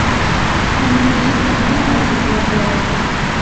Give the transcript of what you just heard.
平時說話都冇遇到過